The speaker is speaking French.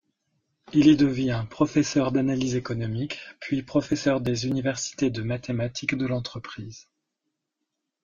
Il y devient professeur d'analyse économique, puis professeur des universités de mathématiques de l'entreprise.